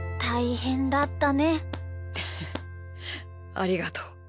ありがとう。